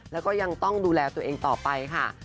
แล้วก็ยังต้องดูแลตัวเองต่อไปค่ะ